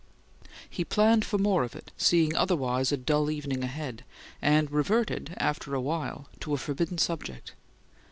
He planned for more of it, seeing otherwise a dull evening ahead; and reverted, afterwhile, to a forbidden subject.